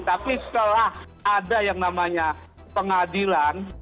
tapi setelah ada yang namanya pengadilan